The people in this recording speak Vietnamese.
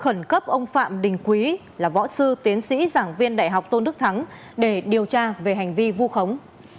công an tỉnh đắk lắc khẩn cấp ông phạm đình quý là võ sư tiến sĩ giảng viên đại học tôn đức thắng để điều tra về hành vi vu khống